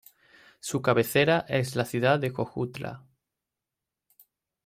Su cabecera es la ciudad de Jojutla.